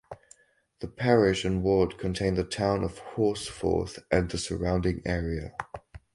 The parish and ward contain the town of Horsforth and the surrounding area.